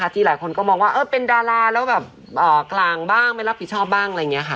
ที่หลายคนก็มองว่าเป็นดาราแล้วแบบกลางบ้างไม่รับผิดชอบบ้างอะไรอย่างนี้ค่ะ